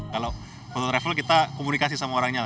kalau foto travel kita komunikasi sama orangnya